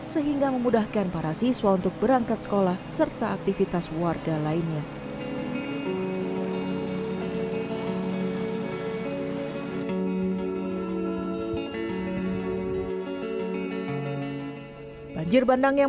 sehingga memudahkan para siswa untuk berangkat sekolah serta aktivitas warga lainnya